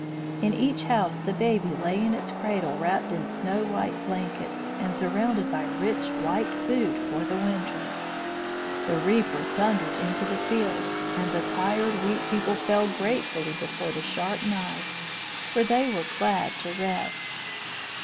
In each house the baby lay in its cradle wrapped in snow white blankets, and surrounded by rich white food for the winter. The reaper thundered into the field, and the tired Wheat People fell gratefully before the sharp knives, for they were glad to rest.